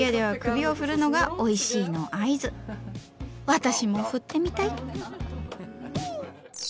私も振ってみたい！